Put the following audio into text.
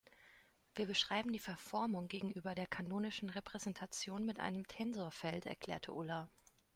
"Wir beschreiben die Verformung gegenüber der kanonischen Repräsentation mit einem Tensorfeld", erklärte Ulla.